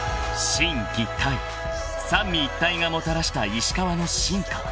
［心・技・体三位一体がもたらした石川の進化］